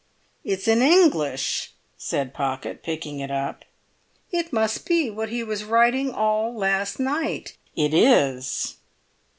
"It's in English," said Pocket, picking it up. "It must be what he was writing all last night!" "It is."